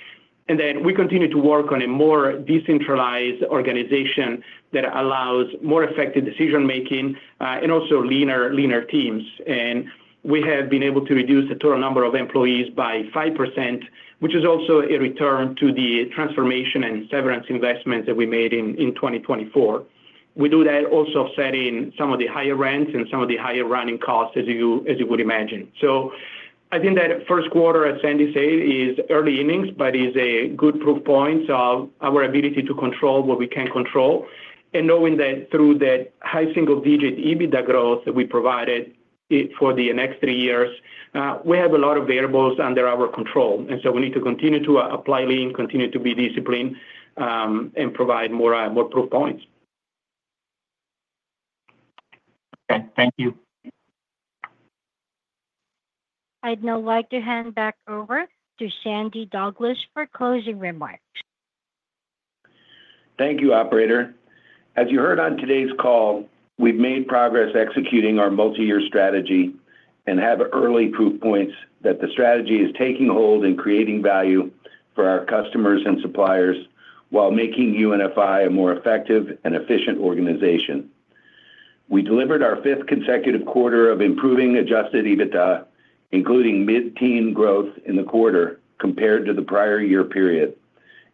and then we continue to work on a more decentralized organization that allows more effective decision-making and also leaner teams, and we have been able to reduce the total number of employees by 5%, which is also a return to the transformation and severance investments that we made in 2024. We do that also by offsetting some of the higher rents and some of the higher running costs, as you would imagine, so I think that first quarter, as Sandy said, is early innings, but is a good proof point of our ability to control what we can control. Knowing that through that high single-digit EBITDA growth that we provided for the next three years, we have a lot of variables under our control. And so we need to continue to apply lean, continue to be disciplined, and provide more proof points. Okay. Thank you. I'd now like to hand back over to Sandy Douglas for closing remarks. Thank you, Operator. As you heard on today's call, we've made progress executing our multi-year strategy and have early proof points that the strategy is taking hold and creating value for our customers and suppliers while making UNFI a more effective and efficient organization. We delivered our fifth consecutive quarter of improving Adjusted EBITDA, including mid-teen growth in the quarter compared to the prior year period,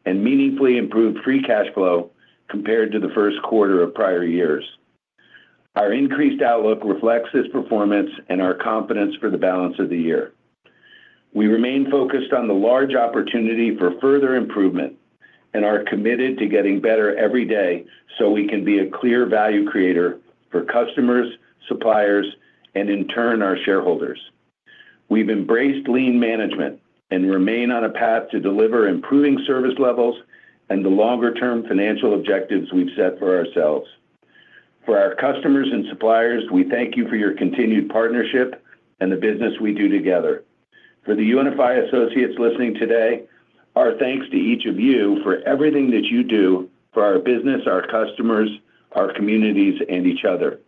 and meaningfully improved Free Cash Flow compared to the first quarter of prior years. Our increased outlook reflects this performance and our confidence for the balance of the year. We remain focused on the large opportunity for further improvement and are committed to getting better every day so we can be a clear value creator for customers, suppliers, and in turn, our shareholders. We've embraced lean management and remain on a path to deliver improving service levels and the longer-term financial objectives we've set for ourselves. For our customers and suppliers, we thank you for your continued partnership and the business we do together. For the UNFI associates listening today, our thanks to each of you for everything that you do for our business, our customers, our communities, and each other.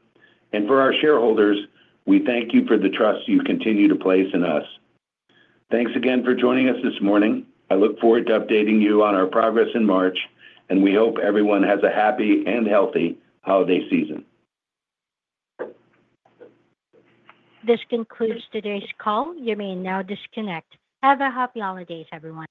And for our shareholders, we thank you for the trust you continue to place in us. Thanks again for joining us this morning. I look forward to updating you on our progress in March, and we hope everyone has a happy and healthy holiday season. This concludes today's call. You may now disconnect. Have a happy holidays, everyone.